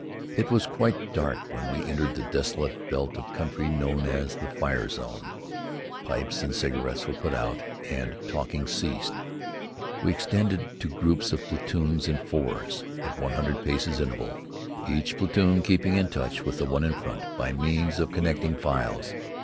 It was quite dark when we entered the desolate belt of country known as the "fire zone." Pipes and cigarettes were put out and talking ceased. We extended to groups of platoons in fours, at one hundred paces interval, each platoon keeping in touch with the one in front by means of connecting files.